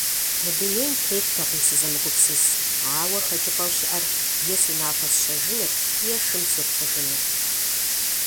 Мы дунейм теттэкъым сызэмыгупсыс, ауэ хэкӀыпӀэу щыӀэр е си напэр сщэжынырт, е шым сепцӀыжынырт.